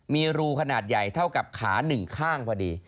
มีรูขนาดใหญ่เท่ากับขาหนึ่งข้างพอดี